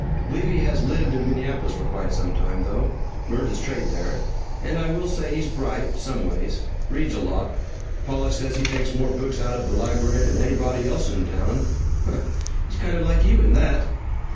"Believe he has lived in Minneapolis for quite some time, though. Learned his trade there. And I will say he's bright, some ways. Reads a lot. Pollock says he takes more books out of the library than anybody else in town. Huh! He's kind of like you in that!"